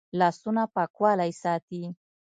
لاسونه پاکوالی ساتي